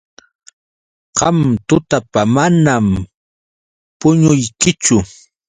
Qam tutapa manam puñuykichu.